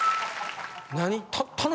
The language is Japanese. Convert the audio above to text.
何？